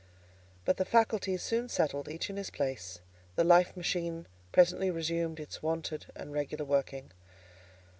But the faculties soon settled each in his place; the life machine presently resumed its wonted and regular working.